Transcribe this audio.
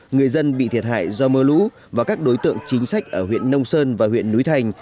người dân bị thiệt hại do mưa lũ và các đối tượng chính sách ở huyện nông sơn và huyện núi thành